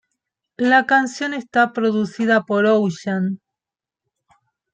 La canción está producida por Ocean.